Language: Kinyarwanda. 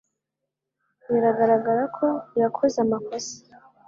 Biragaragara ko yakoze amakosa